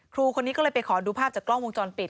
ครูคนนี้ก็เลยไปขอดูภาพจากกล้องวงจรปิด